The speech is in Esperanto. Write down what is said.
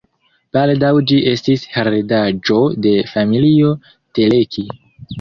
Baldaŭ ĝi estis heredaĵo de familio Teleki.